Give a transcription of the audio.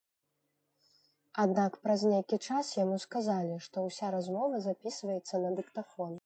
Аднак праз нейкі час яму сказалі, што ўся размова запісваецца на дыктафон.